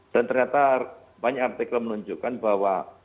dan ternyata banyak artikel menunjukkan bahwa